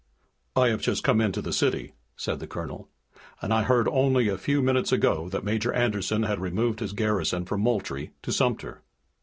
"I have just come into the city," said the colonel, "and I heard only a few minutes ago that Major Anderson had removed his garrison from Moultrie to Sumter."